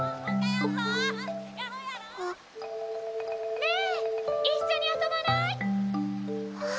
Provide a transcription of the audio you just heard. ねえ一緒に遊ばない？はっ。